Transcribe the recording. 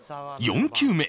４球目